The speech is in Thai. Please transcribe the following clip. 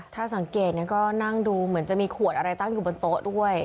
ถ้าสังเกตก็นั่งดูเหมือนจะมีขวดอะไรตั้งอยู่บนโต๊ะด้วย